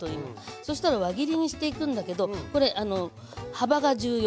そしたら輪切りにしていくんだけどこれ幅が重要。